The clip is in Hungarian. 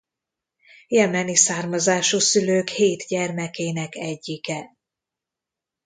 Jemeni származású szülők hét gyermekének egyike.